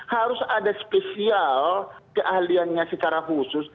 harus ada spesial keahliannya secara khusus